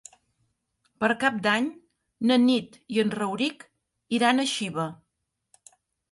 Per Cap d'Any na Nit i en Rauric iran a Xiva.